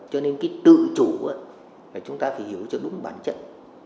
cho nên cái tự chủ là chúng ta phải hiểu cho đúng bản chất